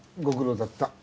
ご苦労だった。